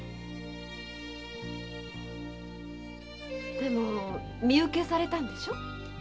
でも身請けされたんでしょ？